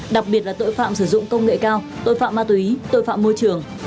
đặc biệt là tội phạm sử dụng công nghệ cao tội phạm ma túy tội phạm môi trường